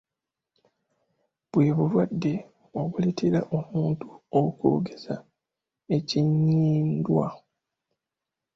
Bwe bulwadde obuleetera omuntu okwogeza ekinnyindwa.